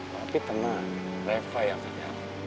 papi tenang reva yang penting